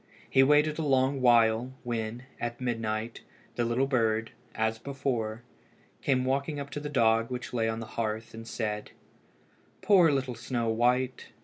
He waited a long while, when, at midnight, the little bird, as before, came walking up to the dog which lay on the hearth, and said "Poor little Snow white!